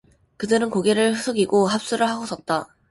그들은 고개를 숙이고 합수를 하고 섰다.